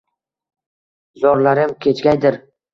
zorlarim ko’chgaydir